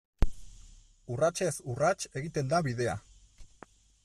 Urratsez urrats egiten da bidea.